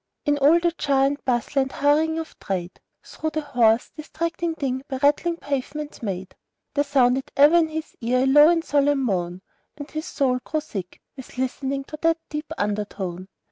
In all the jar and bustle and hurrying of trade, Through the hoarse, distracting din by rattling pavements made, There sounded ever in his ear a low and solemn moan, And his soul grew sick with listening to that deep undertone.